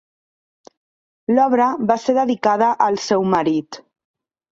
L'obra va ser dedicada al seu marit.